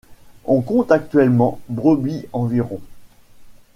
On compte actuellement brebis environ.